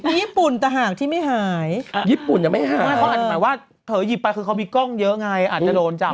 ญี่ปุ่นแต่หากที่ไม่หายญี่ปุ่นยังไม่หายไม่เขาอาจจะหมายว่าเธอหยิบไปคือเขามีกล้องเยอะไงอาจจะโดนจับ